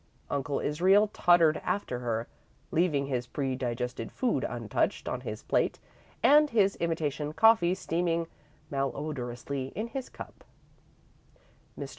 Uncle Israel tottered after her, leaving his predigested food untouched on his plate and his imitation coffee steaming malodorously in his cup. Mr.